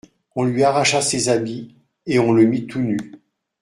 On lui arracha ses habits, et on le mit tout nu.